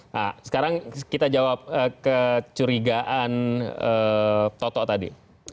nah sekarang kita jawab kecurigaan toto tadi